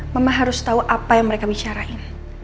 mama harus tahu apa yang mereka bicarain